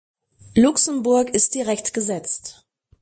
Luxemburg ist direkt gesetzt.